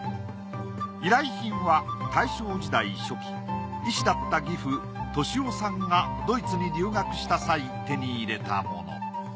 依頼品は大正時代初期医師だった義父俊男さんがドイツに留学した際手に入れたもの。